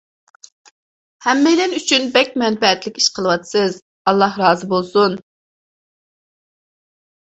ھەممەيلەن ئۈچۈن بەك مەنپەئەتلىك ئىش قىلىۋاتىسىز، ئاللاھ رازى بولسۇن.